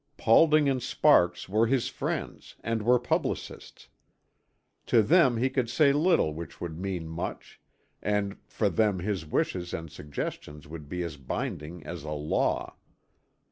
Paulding and Sparks were his friends and were publicists. To them he could say little which would mean much; and for them his wishes and suggestions would be as binding as a law.